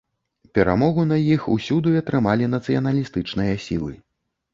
Перамогу на іх усюды атрымалі нацыяналістычныя сілы.